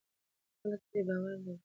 خلک پرې باور لري.